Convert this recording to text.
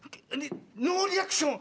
ノーリアクション。